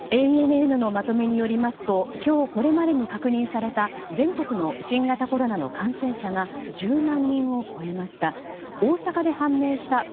ＡＮＮのまとめによりますと今日これまでに確認された全国の新型コロナの感染者が１０万人を超えました。